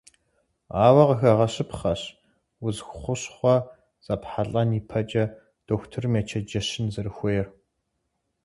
Ауэ къыхэгъэщыпхъэщ, удз хущхъуэ зэпхьэлӏэн ипэкӏэ дохутырым ечэнджэщын зэрыхуейр.